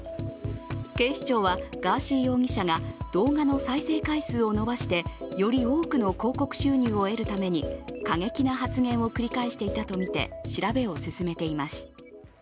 警視庁はガーシー容疑者が動画の再生回数を伸ばしてより多くの広告収入を得るために過激な発言を繰り返していたとみて調べを進めています。